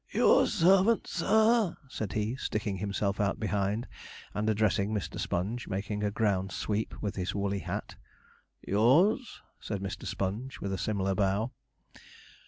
'Your servant, sir,' said he, sticking himself out behind, and addressing Mr. Sponge, making a ground sweep with his woolly hat. 'Yours,' said Mr. Sponge, with a similar bow.